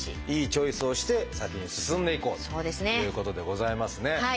いいチョイスをして先に進んでいこうということでございますね。